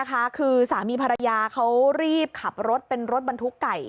คือสามีภรรยาเขารีบขับรถเป็นรถบรรทุกไก่